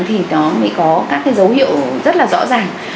thì nó mới có các cái dấu hiệu rất là rõ ràng